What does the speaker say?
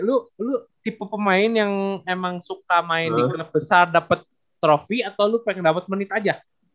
lu tipe pemain yang emang suka main di kena besar dapet trofi atau lu pengen dapet menit aja